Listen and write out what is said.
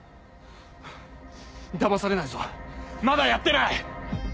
だまされないぞまだやってない！